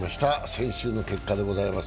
先週の結果でございます。